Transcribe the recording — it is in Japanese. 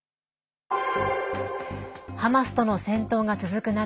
ハマスとの戦闘が続く中